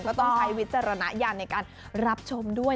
ต้องใช้วิจารณญาณในการรับชมด้วย